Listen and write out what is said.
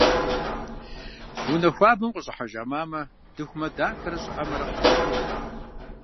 Унэ хуабэм къыщӏыхьэжа мамэ дыхумэ дахэрэ щӏыӏэмэрэ къыкӏэрихырт.